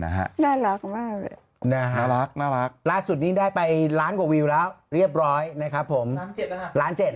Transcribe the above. นะครับผม๑๗๐๐๐๐๐นะฮะ